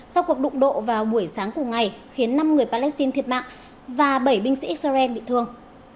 sau cuộc đụng độ vào buổi sáng cùng ngày khiến năm người palestine thiệt mạng và bảy binh sĩ israel bị thương